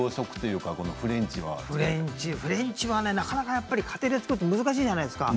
フレンチはなかなか家庭で作ると難しいじゃないですか、